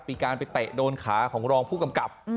มีการไปเตะโดนขาของรองผู้กำกับ